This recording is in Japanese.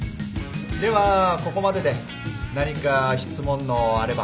ではここまでで何か質問のあれば。